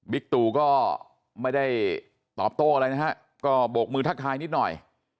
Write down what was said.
ตูก็ไม่ได้ตอบโต้อะไรนะฮะก็โบกมือทักทายนิดหน่อย